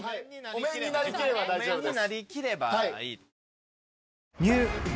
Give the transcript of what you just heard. お面になりきれば大丈夫です。